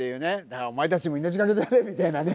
だからお前たちも命懸けでやれみたいなね。